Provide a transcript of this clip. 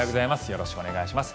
よろしくお願いします。